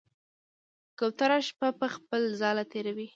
کوتره شپه په خپل ځاله تېروي.